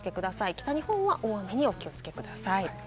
北日本は大雨にお気をつけください。